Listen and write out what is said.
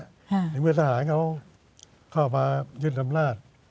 ในเมื่อทหารเขาเข้ามายึดอำนาจ